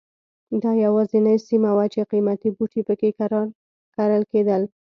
دا یوازینۍ سیمه وه چې قیمتي بوټي په کې کرل کېدل.